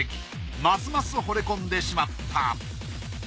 ますますほれ込んでしまった。